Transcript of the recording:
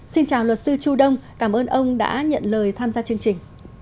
xin chào luật sư chu đông cảm ơn ông đã nhận lời tham gia chương trình